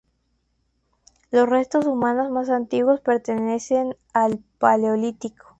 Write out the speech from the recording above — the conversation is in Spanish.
Los restos humanos más antiguos pertenecen al paleolítico.